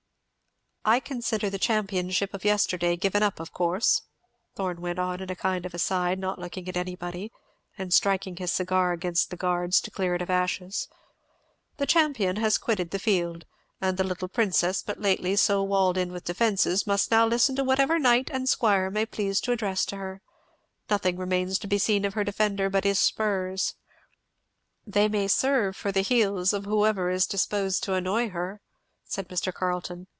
"I consider the championship of yesterday given up of course," Thorn went on in a kind of aside, not looking at anybody, and striking his cigar against the guards to clear it of ashes; "the champion has quitted the field; and the little princess but lately so walled in with defences must now listen to whatever knight and squire may please to address to her. Nothing remains to be seen of her defender but his spurs." "They may serve for the heels of whoever is disposed to annoy her," said Mr. Carleton.